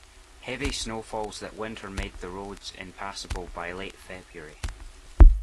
Heavy snowfalls that winter made the roads impassable by late February